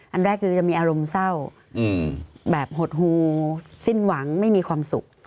อันแรกคือจะมีอารมณ์เศร้าแบบหดหูสิ้นหวังไม่มีความสุข